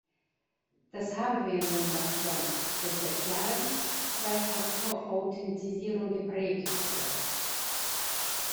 Das haben wir nun davon, dass seit Jahren Zwei-Faktor-Authentisierung gepredigt wird.